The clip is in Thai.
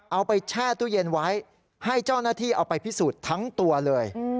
แช่ตู้เย็นไว้ให้เจ้าหน้าที่เอาไปพิสูจน์ทั้งตัวเลย